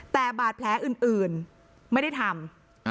แต่บาดแผลอื่นไม่ได้ทำ